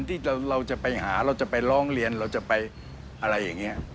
ที่เราจะไปหาเราจะไปร้องเรียนเราจะไปอะไรอย่างนี้